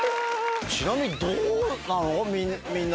ちなみにどうなの？